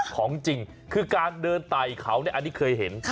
ของจริงคือการเดินไต่เขาอันนี้เคยเห็น